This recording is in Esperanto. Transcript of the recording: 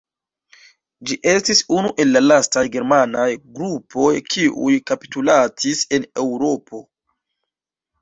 Ĝi estis unu el la lastaj germanaj grupoj kiuj kapitulacis en Eŭropo.